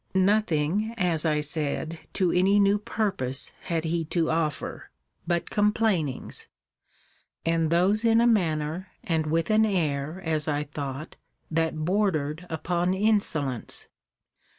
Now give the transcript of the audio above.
Nothing, as I said, to any new purpose had he to offer; but complainings; and those in a manner, and with an air, as I thought, that bordered upon insolence.